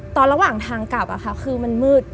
ระหว่างทางกลับคือมันมืด